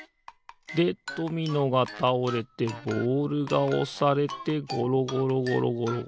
でドミノがたおれてボールがおされてごろごろごろごろ。